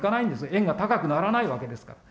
円が高くならないわけですから。